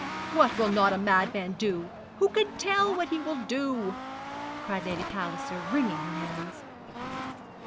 'What will not a madman do? Who can tell what he will do?' cried Lady Palliser, wringing her hands.